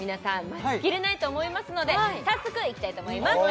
待ちきれないと思いますので早速いきたいと思います